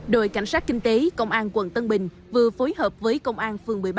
đội cảnh sát kinh tế công an quận tân bình vừa phối hợp với công an phường một mươi ba